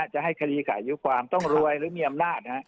จะให้คดีขายยุความต้องรวยหรือมีอำนาจ